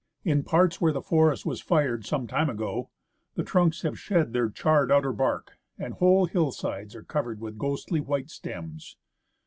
In parts where the forest was fired some time ago, the trunks have shed their charred outer bark, and whole hillsides are covered with ghostly white stems.